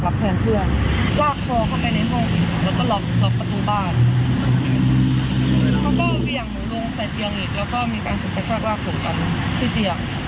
แล้วก็มีการสุขกระชากราบถูกกันที่เสียง